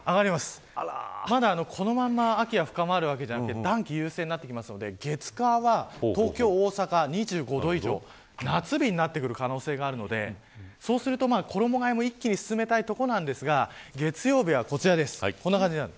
このまま秋が深まるわけではなくて、暖気優勢になってきますので月曜日、火曜日は東京、大阪は２５度以上夏日になる可能性があるので衣替えも一気に進めたいところなんですが月曜日はこちらです。